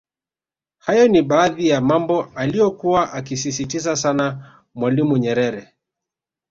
Hayo ni baadhi ya mambo aliyokua akisisitiza sana Mwalimu Nyerere